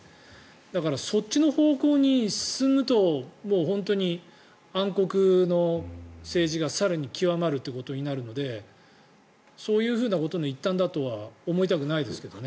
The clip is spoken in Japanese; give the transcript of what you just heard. だから、そっちの方向に進むと本当に暗黒の政治が更に極まるということになるのでそういうふうなことの一端だとは思いたくはないですけどね。